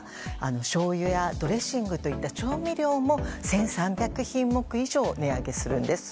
しょうゆやドレッシングといった調味料も１３００品目以上値上げするんです。